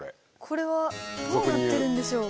これはどうなってるんでしょう？